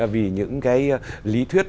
vì những cái lý thuyết